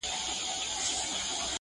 تر کور دباندي له اغیاره سره لوبي کوي٫